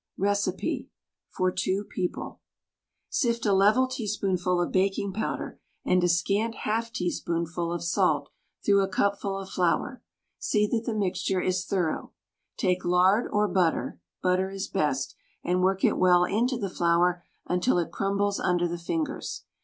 Recipe {for two people) Sift a level teaspoonful of baking powder and a scant half teaspoonful of salt through a cupful of flour. See that the mixture is thorough. Take lard or butter (butter is best) and work it well into the flour until it crumbles under the fingers.